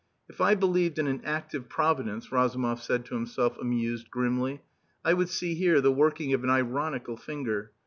"If I believed in an active Providence," Razumov said to himself, amused grimly, "I would see here the working of an ironical finger.